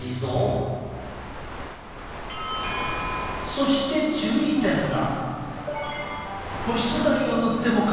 そして注意点だ。